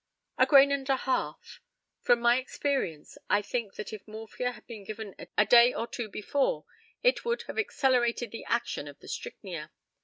A grain and a half. From my experience, I think that if morphia had been given a day or two before it would have accelerated the action of the strychnia.